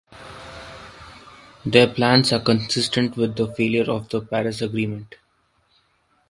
Their plans are consistent with the failure of the Paris Agreement.